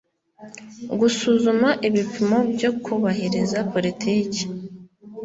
Gusuzuma ibipimo byo kubahiriza politiki